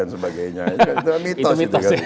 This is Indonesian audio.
sebagainya itu mitos